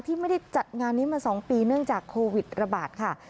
ที่ไม่ได้จัดงานนี้มา๒ปีเนื่องจากโควิดระบาดค่ะ